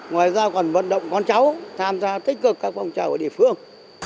ngoài ra còn vận động con cháu tham gia tích cực các phong trào ở địa phương